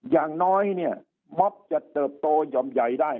อย่างน้อยเนี่ยม็อบจะเติบโตหย่อมใหญ่ได้